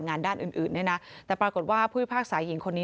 ด้านอื่นอื่นเนี่ยนะแต่ปรากฏว่าผู้พิพากษาหญิงคนนี้